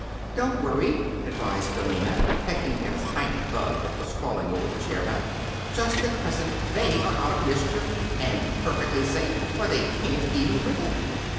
"Don't worry," advised Billina, pecking at a tiny bug that was crawling over the chair back. "Just at present they are out of mischief and perfectly safe, for they can't even wiggle."